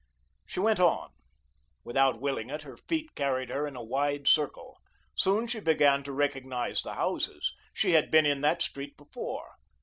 She went on. Without willing it, her feet carried her in a wide circle. Soon she began to recognise the houses; she had been in that street before.